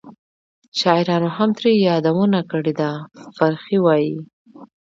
شاعرانو هم ترې یادونه کړې ده. فرخي وایي: